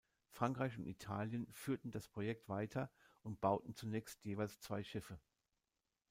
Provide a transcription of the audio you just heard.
Frankreich und Italien führten das Projekt weiter und bauten zunächst jeweils zwei Schiffe.